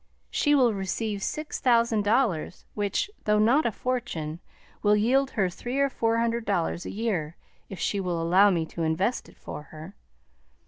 She will receive six thousand dollars, which, though not a fortune, will yield her three or four hundred dollars a year, if she will allow me to invest it for her.